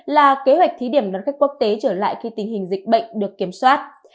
là kế hoạch thí điểm đón khách quốc tế trở lại khi tình hình dịch bệnh được kiểm soát